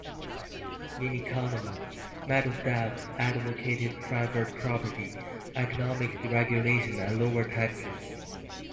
In economy, Medvedev advocated private property, economic deregulation and lower taxes.